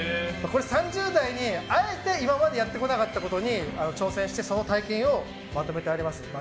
３０代に、あえて今までやってこなかったことに挑戦してその体験をまとめてあります。